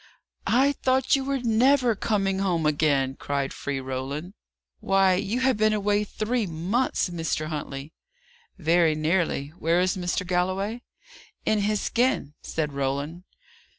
"I thought you were never coming home again!" cried free Roland. "Why, you have been away three months, Mr. Huntley!" "Very nearly. Where is Mr. Galloway?" "In his skin," said Roland.